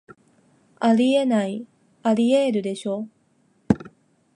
あり得ない、アリエールでしょ